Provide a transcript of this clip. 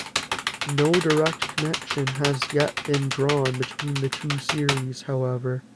No direct connection has yet been drawn between the two series, however.